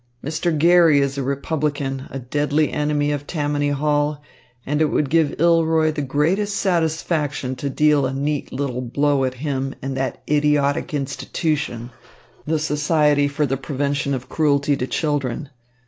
Mr. Garry is a Republican, a deadly enemy of Tammany Hall, and it would give Ilroy the greatest satisfaction to deal a neat little blow at him and that idiotic institution, the Society for the Prevention of Cruelty to Children.